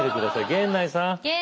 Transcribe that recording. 源内さん。